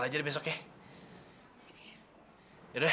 ya udah kalau gitu saya pulang aja deh